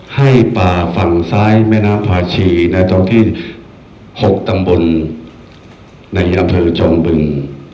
ให้ป่าฝั่งซ้ายแม่น้ำพาชีในตอนที่๖ตำบลในอำเภอจอมบึง